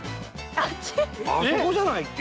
あそこじゃないっけ？